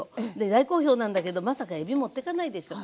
大好評なんだけどまさかえび持ってかないでしょ。